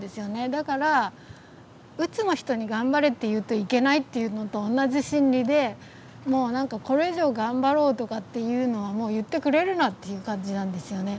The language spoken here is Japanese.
だからうつの人に頑張れって言うといけないっていうのと同じ心理でもうなんかこれ以上頑張ろうとかっていうのはもう言ってくれるなっていう感じなんですよね。